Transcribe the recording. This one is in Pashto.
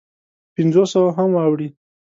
پنځو سوو هم واوړي.